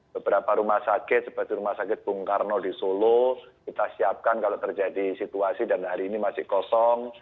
beberapa rumah sakit seperti rumah sakit bung karno di solo kita siapkan kalau terjadi situasi dan hari ini masih kosong